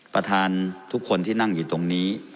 ประธานทุกคนที่นั่งอยู่ตรงนี้